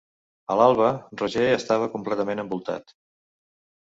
A l'alba, Roger estava completament envoltat.